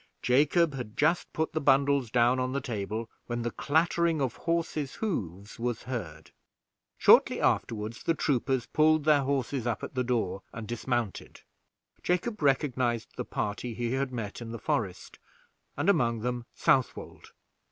Jacob had just put the bundles down on the table, when the clattering of horses' hoofs was heard. Shortly afterward, the troopers pulled their horses up at the door, and dismounted. Jacob recognized the party he had met in the forest, and among them Southwold.